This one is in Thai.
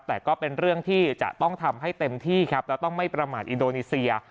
แต่ก็เป็นเรื่องที่จะต้องทำให้เต็มที่ครับและต้องไม่ประมาทอินโดนีเซีย